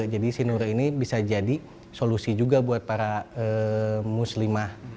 jadi si lure ini bisa jadi solusi juga buat para muslimah